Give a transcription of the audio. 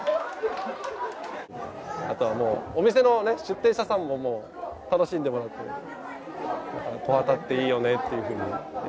あとはもうお店の出店者さんも楽しんでもらって木幡っていいよねっていうふうにね。